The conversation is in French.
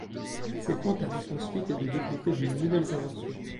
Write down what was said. Ces points permettent ensuite de développer de nouvelles inventions.